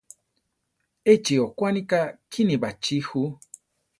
Échi okwaníka kíni baʼchí ju.